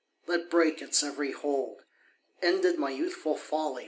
Let break its every hold! Ended my youthful folly!